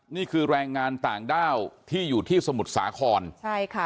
นี่คือแรงงานต่างด้าวที่อยู่ที่สมุทรสาครใช่ค่ะ